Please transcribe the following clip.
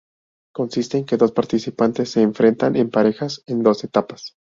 Consiste en que dos participantes se enfrentan en parejas en dos etapas.